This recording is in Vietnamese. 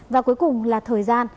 và cuối cùng là thời gian